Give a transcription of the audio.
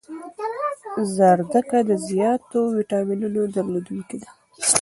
زردکه د زیاتو ویټامینونو درلودنکی ده